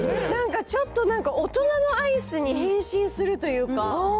なんかちょっと、なんか大人のアイスに変身するというか。